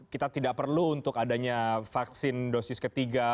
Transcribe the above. kita tidak perlu untuk adanya vaksin dosis ketiga